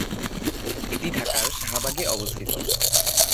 এটি ঢাকার শাহবাগে অবস্থিত।